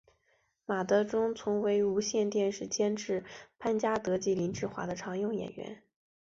马德钟曾为无线电视监制潘嘉德及林志华的常用演员。